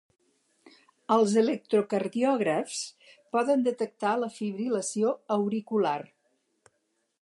Els electrocardiògrafs poden detectar la fibril·lació auricular.